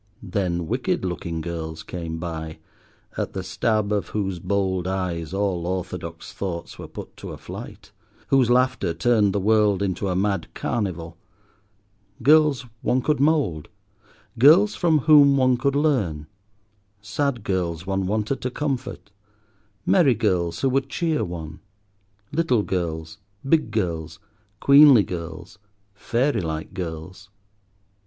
Then wicked looking girls came by, at the stab of whose bold eyes all orthodox thoughts were put to a flight, whose laughter turned the world into a mad carnival; girls one could mould; girls from whom one could learn; sad girls one wanted to comfort; merry girls who would cheer one; little girls, big girls, queenly girls, fairy like girls.